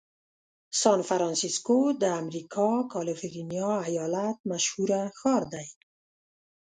سان فرنسیسکو د امریکا کالفرنیا ایالت مشهوره ښار دی.